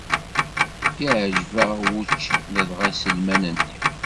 Iɛǧeb-aɣ wučči, ladɣa iselman-nni.